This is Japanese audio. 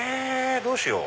どうしよう。